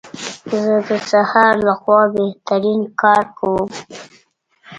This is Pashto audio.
زه د سهار لخوا بهترین کار کوم.